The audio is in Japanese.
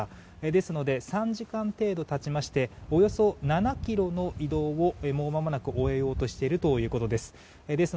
ですので、３時間程度経ちましておよそ７ｋｍの移動をもうまもなく終えようとしているということです。